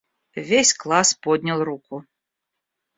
Весь класс поднял руку.